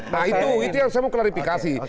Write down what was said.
nah itu yang saya mau klarifikasi